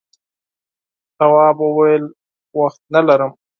تواب وویل وخت نه لرم.